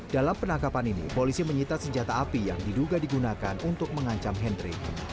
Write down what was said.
dalam penangkapan ini polisi menyita senjata api yang diduga digunakan untuk mengancam hendry